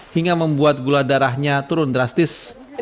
hingga membuat gula darahnya turun drastis